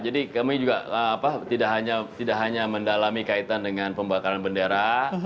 jadi kami juga tidak hanya mendalami kaitan dengan pembakaran bendera